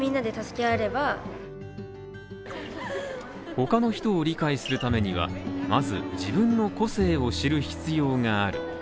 他の人を理解するためには、まず自分の個性を知る必要がある。